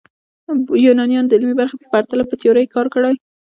یونانیانو د عملي برخې په پرتله په تیوري کار کړی.